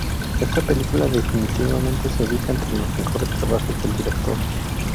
Esta película definitivamente se ubica entre los mejores trabajos del director".